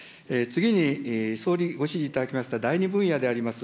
次に総理ご指示いただきました第２分野であります